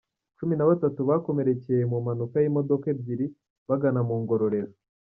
Cumi nabatatu bakomerekeye mu mpanuka y’imodoka ebyiri bagana mu Ngororero